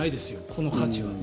この価値は。